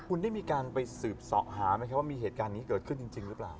คุณได้มีการไปสืบเสาะหาไหมครับว่ามีเหตุการณ์นี้เกิดขึ้นจริงหรือเปล่า